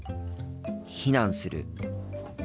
避難する。